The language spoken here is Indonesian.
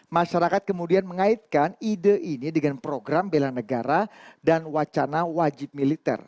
masyarakat kemudian mengaitkan ide ini dengan program bela negara dan wacana wajib militer